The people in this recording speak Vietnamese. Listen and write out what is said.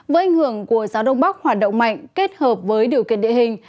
với ảnh hưởng của gió đông bắc hoạt động mạnh kết hợp với điều kiện địa hình